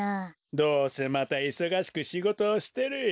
どうせまたいそがしくしごとをしてるよ。